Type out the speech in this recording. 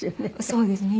そうですね。